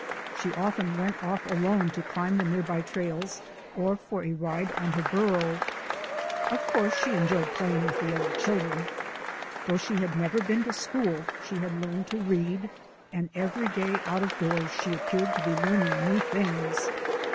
She often went off alone to climb the near by trails, or for a ride on her burro. Of course she enjoyed playing with other children. Though she had never been to school she had learned to read, and every day out of doors she appeared to be learning new things.